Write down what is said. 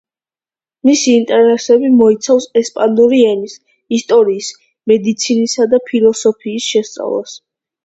მისი ინტერესები მოიცავს ესპანური ენის, ისტორიის, მედიცინისა და ფილოსოფიის შესწავლას.